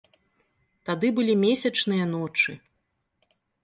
Тады былі месячныя ночы.